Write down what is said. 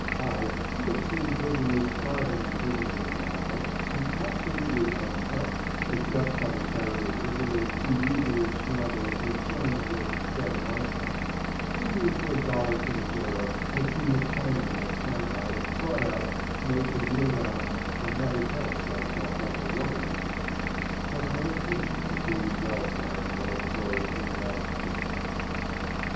I—who have seen prisoners starving in prisons in Morocco, and absolutely "unfed," except by the charity of visitors, who usually scramble a few shillings' worth of bread amongst them; and who, for a dollar to the jailor, have seen a Chinaman at Shanghai brought out, made to kneel down and have his head sliced off like a water melon—have no patience with these well fed, well clothed, and well housed rascals.